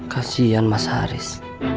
kasian mas haris